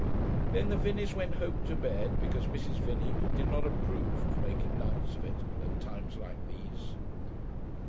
Then the Vinneys went home to bed, because Mrs. Vinney did not approve of making nights of it at times like these.